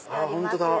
本当だ！